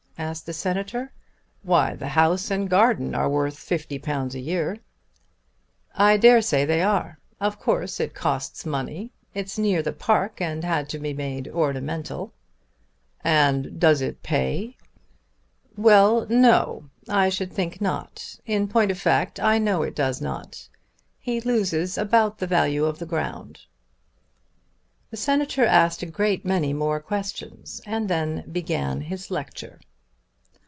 asked the Senator. "Why, the house and garden are worth £50 a year." "I dare say they are. Of course it costs money. It's near the park and had to be made ornamental." "And does it pay?" "Well, no; I should think not. In point of fact I know it does not. He loses about the value of the ground." The Senator asked a great many more questions and then began his lecture.